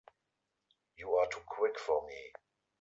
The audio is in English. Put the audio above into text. You are too quick for me!